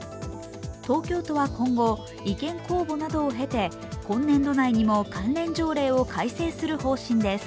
東京都は今後、意見公募などを経て今年度内にも関連条例を改正する方針です。